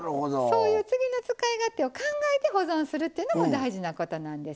そういう次の使い勝手を考えて保存するっていうのも大事なことなんですね。